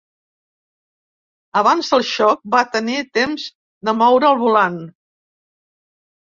Abans del xoc, va tenir temps de moure el volant.